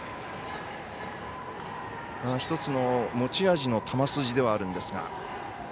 １つの持ち味の球筋ではあるんですが。